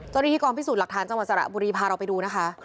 ตัวนี้พี่กำภิกษุหลักฐานจังหวังสระบุรีพาเราไปดูนะคะ